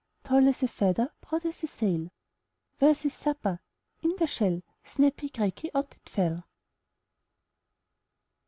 Tall as a feather, Broad as a sail! Where's his supper? In the shell, Snappy, cracky, Out it fell.